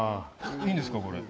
いいんですか、これ。